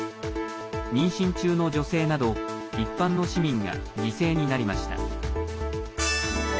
妊娠中の女性など一般の市民が犠牲になりました。